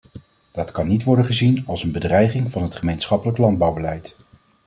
Dat kan niet worden gezien als een bedreiging van het gemeenschappelijk landbouwbeleid.